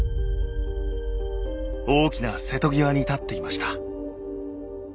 大きな瀬戸際に立っていました。